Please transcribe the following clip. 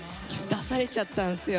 出されちゃったんすよ